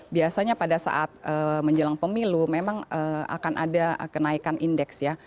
biasanya pada saat menjelang pemilu memang akan ada kenaikan indeks ya